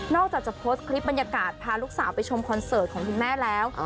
อกจากจะโพสต์คลิปบรรยากาศพาลูกสาวไปชมคอนเสิร์ตของคุณแม่แล้ว